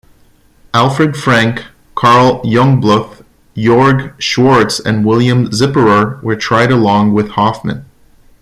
Alfred Frank, Karl Jungbluth, Georg Schwarz and William Zipperer were tried along with Hoffmann.